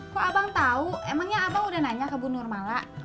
kok abang tahu emangnya abang udah nanya ke bu nurmala